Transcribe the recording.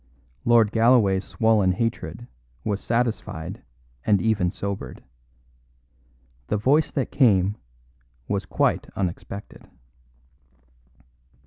Lord Galloway's swollen hatred was satisfied and even sobered. The voice that came was quite unexpected.